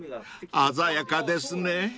［鮮やかですね］